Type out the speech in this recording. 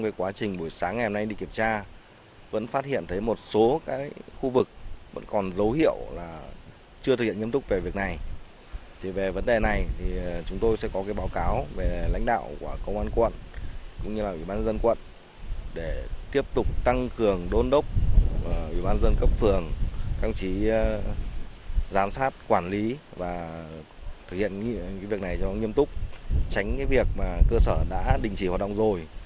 giám sát quản lý và thực hiện việc này cho nghiêm túc tránh việc cơ sở đã đình chỉ hoạt động rồi